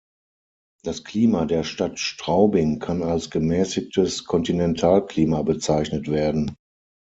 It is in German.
Das Klima der Stadt Straubing kann als gemäßigtes Kontinentalklima bezeichnet werden.